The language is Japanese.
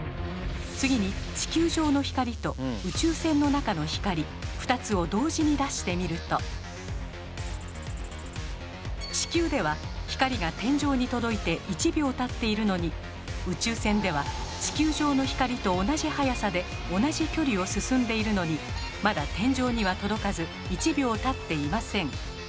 次に地球上の光と宇宙船の中の光２つを同時に出してみると地球では光が天井に届いて１秒たっているのに宇宙船では地球上の光と同じ速さで同じ距離を進んでいるのにまだ天井には届かず１秒たっていません。